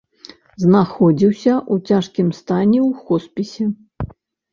Знаходзіўся ў цяжкім стане ў хоспісе.